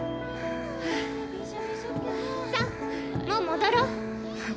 さあもう戻ろ！